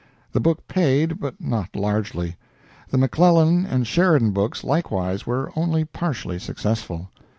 The book paid, but not largely. The McClellan and Sheridan books, likewise, were only partially successful.